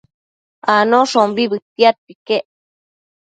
Anoshombi bëtiadquio iquec